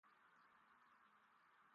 عمرا خان د ناوګي له خان سره مخامخ شو.